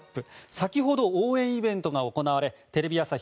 先ほど応援イベントが行われテレビ朝日